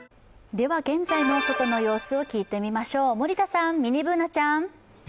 では現在の外の様子を聞いてみましょう、森田さんミニＢｏｏｎａちゃん。